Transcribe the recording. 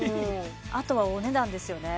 あとはお値段ですよね